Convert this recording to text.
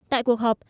tại cuộc họp